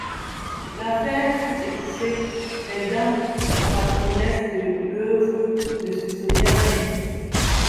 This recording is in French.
L'affaire fut étouffée, les dames patronnesses de l'oeuvre ne soupçonnèrent rien.